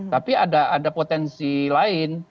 tapi ada potensi lain